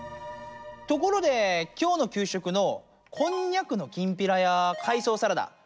ところできょうの給食のこんにゃくのきんぴらや海藻サラダ